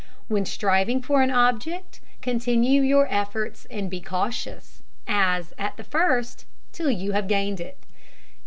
When striving for an object, continue your efforts and be cautious, as at the first, till you have gained it.